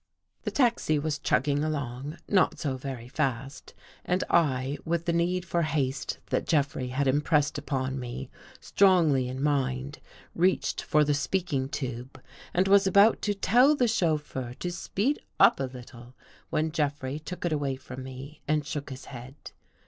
The taxi was chugging along, not so very fast, and I, with the need for haste that Jeffrey had im pressed upon me, strongly in mind, reached for the speaking tube and was about to tell the chauffeur to speed up a little, when Jeffrey took it away from me and shook his head.